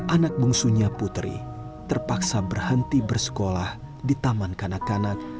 anak bungsunya putri terpaksa berhenti bersekolah di taman kanak kanak